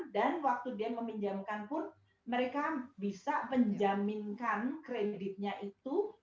dan waktu dia meminjamkan pun mereka bisa menjaminkan kreditnya itu